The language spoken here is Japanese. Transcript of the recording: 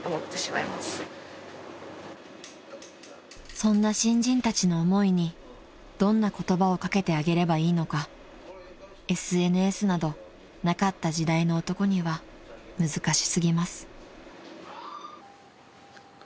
［そんな新人たちの思いにどんな言葉を掛けてあげればいいのかＳＮＳなどなかった時代の男には難しすぎます］